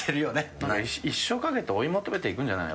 一生かけて追い求めていくんじゃないの？